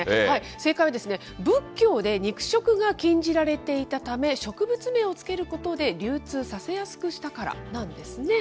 正解はですね、仏教で肉食が禁じられていたため、植物名をつけることで流通させやすくしたからなんですね。